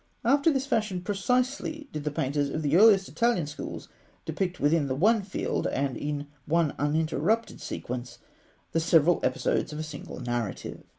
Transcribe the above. After this fashion precisely did the painters of the earliest Italian schools depict within the one field, and in one uninterrupted sequence, the several episodes of a single narrative.